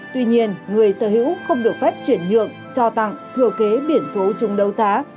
tuy nhiên người sở hữu không được phép chuyển nhượng cho tặng thừa kế biển số chung đấu giá